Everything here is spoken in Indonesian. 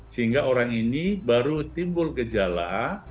sehingga orang ini baru timbul gejala